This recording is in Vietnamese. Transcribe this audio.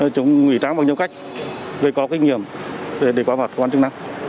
chúng ngủy tráng bằng nhiều cách để có kinh nghiệm để quả mặt quan trọng năng